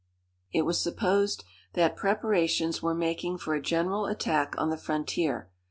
It was supposed that preparations were making for a general attack on the frontier.